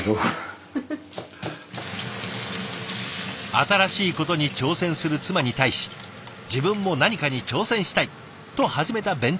新しいことに挑戦する妻に対し自分も何かに挑戦したい！と始めた弁当作り。